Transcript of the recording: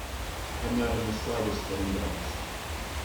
I'm not in the slightest bit embarrassed.